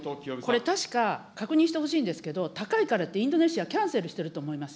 これ確か、確認してほしいんですけど、高いからって、インドネシアキャンセルしてると思います。